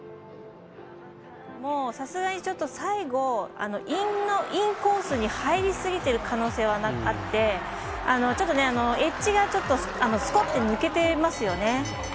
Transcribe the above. もうさすがに最後のインコースに入りすぎている可能性はあって、エッジがちょっと、スコッと抜けていますよね。